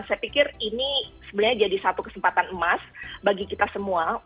saya pikir ini sebenarnya jadi satu kesempatan emas bagi kita semua